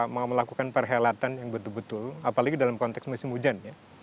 mau melakukan perhelatan yang betul betul apalagi dalam konteks musim hujan ya